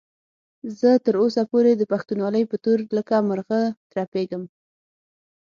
زه تر اوسه پورې د پښتونولۍ په تور لکه مرغه ترپېږم.